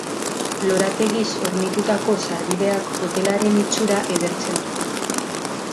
Lorategiz hornitutako sarbideak hotelaren itxura edertzen du.